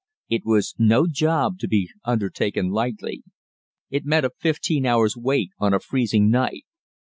It was no job to be undertaken lightly. It meant a fifteen hours' wait on a freezing night.